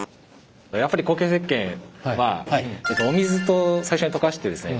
やっぱり固形石けんはお水と最初に溶かしてですね